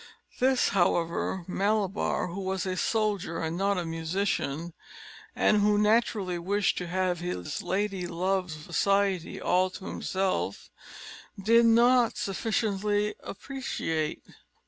This, however, Malabar, who was a soldier, and not a musician, and who naturally wished to have his lady love's society all to himself, did not sufficiently appreciate.